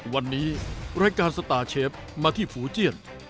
วันนี้รายการสตาร์เชฟมาที่ฝูเจียน